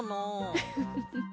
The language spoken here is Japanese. ウフフフ。